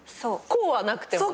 こうはなくても。